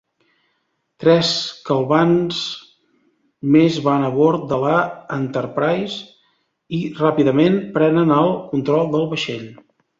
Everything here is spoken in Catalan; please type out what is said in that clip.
Tres Kelvans més van a bord de la "Enterprise" i ràpidament prenen el control del vaixell.